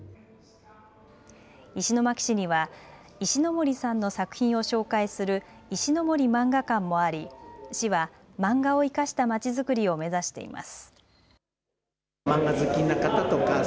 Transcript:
石巻市には石ノ森さんの作品を紹介する石ノ森萬画館もあり市は漫画を生かしたまちづくりを目指しています。